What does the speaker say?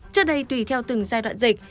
trước đây tùy theo từng giai đoạn dịch